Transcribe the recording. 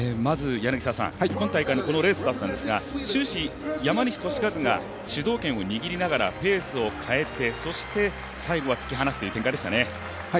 今大会のこのレースだったんですが終始、山西利和が主導権を握りながらペースを変えて、そして最後は突き放すという展開でしたね。